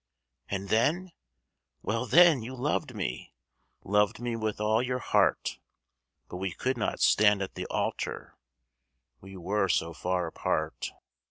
And then? Well, then, you loved me, Loved me with all your heart; But we could not stand at the altar We were so far apart.